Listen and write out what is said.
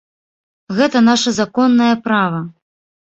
Гэта наша законнае права.